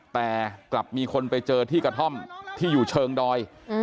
แต่กลับมีคนไปเจอที่กระท่อมที่อยู่เชิงดอย